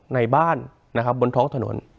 ในบ้านนะครับบนท้องถนน